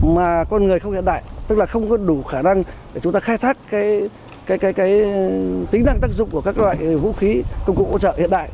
mà con người không hiện đại tức là không có đủ khả năng để chúng ta khai thác cái tính năng tác dụng của các loại vũ khí công cụ hỗ trợ hiện đại